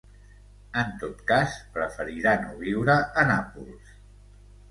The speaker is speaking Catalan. En tot cas, preferirà no viure a Nàpols.